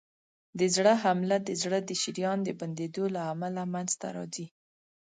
د زړه حمله د زړه د شریان د بندېدو له امله منځته راځي.